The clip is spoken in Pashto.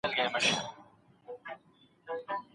ستونزي د ژوند یوه ازموینه ده.